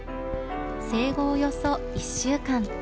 生後およそ１週間。